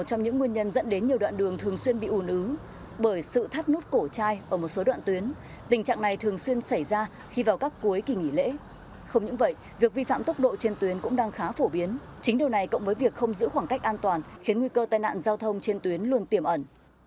tình trạng này thường xuyên bị ủn ứ bởi sự thắt nút cổ chai ở một số đoạn tuyến tình trạng này thường xuyên xảy ra khi vào các cuối kỳ nghỉ lễ không những vậy việc vi phạm tốc độ trên tuyến cũng đang khá phổ biến chính điều này cộng với việc không giữ khoảng cách an toàn khiến nguy cơ tai nạn giao thông trên tuyến luôn tiềm ẩn